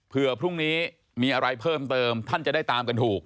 เพื่อพรุ่งนี้มีอะไรเพิ่มเติมท่านจะได้ตามกันถูก